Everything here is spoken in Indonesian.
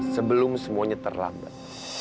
sebelum semuanya terlambat